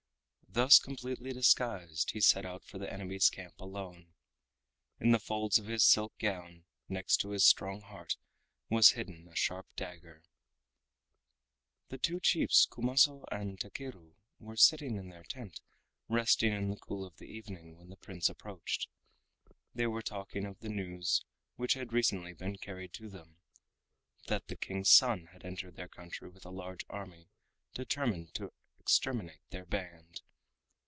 Thus completely disguised, he set out for the enemy's camp alone. In the folds of his silk gown, next his strong heart, was hidden a sharp dagger. The two chiefs Kumaso and Takeru wore sitting in their tent, resting in the cool of the evening, when the Prince approached. They were talking of the news which had recently been carried to them, that the King's son had entered their country with a large army determined to exterminate their band.